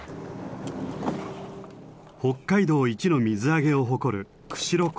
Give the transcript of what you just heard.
北海道一の水揚げを誇る釧路港。